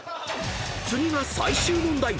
［次が最終問題！